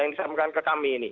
yang disampaikan ke kami ini